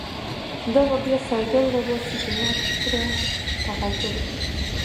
دابه بیا “سیدال” راباسی، دمرګ توره په غجرو